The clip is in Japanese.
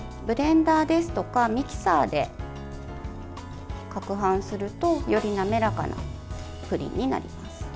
ブレンダーですとかミキサーでかくはんするとより滑らかなプリンになります。